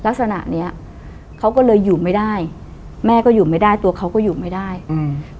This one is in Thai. ลักษณะเนี้ยเขาก็เลยอยู่ไม่ได้แม่ก็อยู่ไม่ได้ตัวเขาก็อยู่ไม่ได้อืม